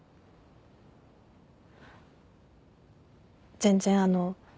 全然あの。